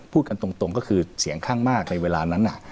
พูดกันตรงก็คือเสียงข้างมากในเวลานั้น